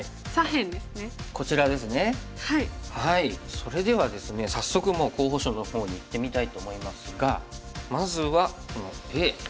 それではですね早速もう候補手の方にいってみたいと思いますがまずはこのＡ。